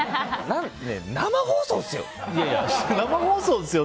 何で生放送ですよ！